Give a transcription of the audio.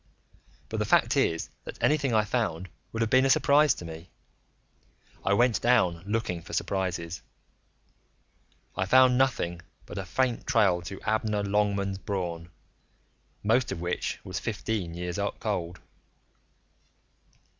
But the fact is that anything I found would have been a surprise to me; I went down looking for surprises. I found nothing but a faint trail to Abner Longmans Braun, most of which was fifteen years cold.